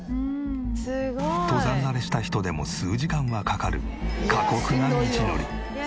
登山慣れした人でも数時間はかかる過酷な道のり。